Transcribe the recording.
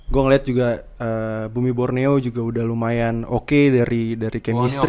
gue ngeliat juga bumi borneo juga udah lumayan oke dari chemistry